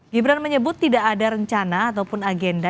gibran menyebut tidak ada rencana ataupun agenda